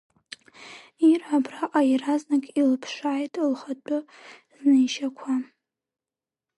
Ира абраҟа иаразнак илыԥшааит лхатәы знеишьақәа.